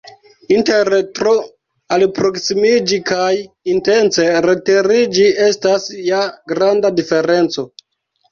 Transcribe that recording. Inter tro alproksimiĝi kaj intence retiriĝi estas ja granda diferenco!